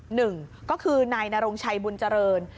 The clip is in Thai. หนึ่งก็คือนายนรงชัยบุญเจริญ